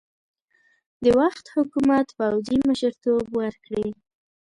د وخت حکومت پوځي مشرتوب ورکړي.